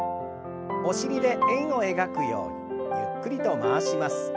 お尻で円を描くようにゆっくりと回します。